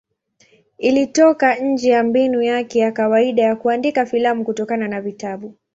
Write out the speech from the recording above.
Ilitoka nje ya mbinu yake ya kawaida ya kuandika filamu kutokana na vitabu.